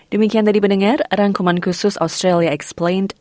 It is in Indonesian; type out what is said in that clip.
demikian tadi pendengar rangkuman khusus australia explained